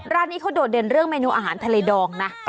ร้านนี้เขาโดดเด่นเรื่องเมนูอาหารทะเลดองนะ